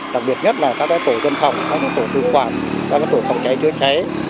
đặc biệt nhất là các tổ dân phòng các tổ tư khoản các tổ phòng cháy chứa cháy